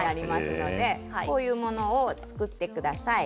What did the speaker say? こういうものを作ってください。